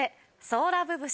ソーラブ節。